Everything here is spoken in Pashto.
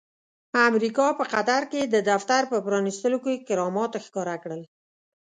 امريکا په قطر کې د دفتر په پرانستلو کې کرامات ښکاره کړل.